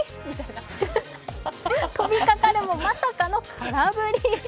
飛びかかるも、まさかの空振り。